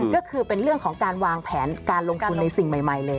ก็คือเป็นเรื่องของการวางแผนการลงทุนในสิ่งใหม่เลย